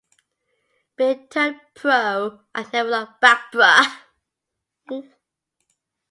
Billy turned pro and never looked back.